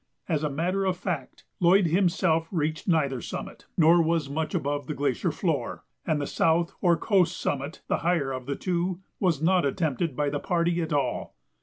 As a matter of fact, Lloyd himself reached neither summit, nor was much above the glacier floor; and the south or coast summit, the higher of the two, was not attempted by the party at all.